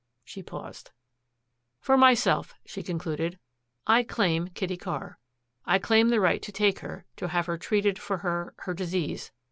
She paused. "For myself," she concluded, "I claim Kitty Carr. I claim the right to take her, to have her treated for her her disease.